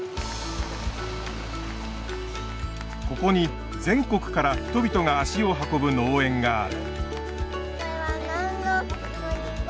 ここに全国から人々が足を運ぶ農園がある。